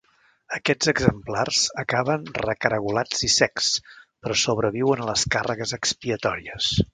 Aquests exemplars acaben recaragolats i secs, però sobreviuen a les càrregues expiatòries.